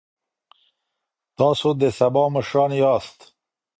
تاسو د سبا مشران یاست.